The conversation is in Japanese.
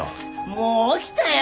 もう起きたよ！